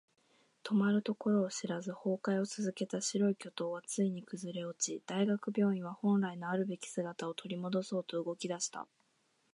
止まるところを知らず崩壊を続けた白い巨塔はついに崩れ落ち、大学病院は本来のあるべき姿を取り戻そうと動き出した。